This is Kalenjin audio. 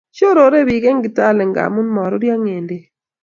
shorore pik en Kitale ngamun maruryo Ngendek